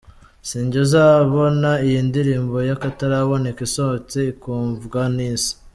si njye uzabona iyi ndirimbo y’akataraboneka isohotse ikumvwa n’Isi.